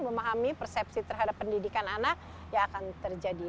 memahami persepsi terhadap pendidikan anak yang akan terjadi